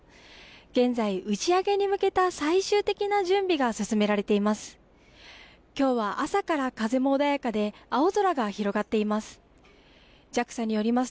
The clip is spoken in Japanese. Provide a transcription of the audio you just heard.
現在、打ち上げに向けた最終的な準備が進められています。